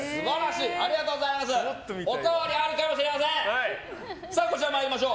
おかわりあるかもしれませんよ！